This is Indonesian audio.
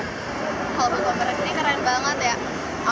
kalau bagi pameran ini keren banget ya